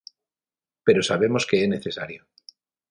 Pero sabemos que é necesario.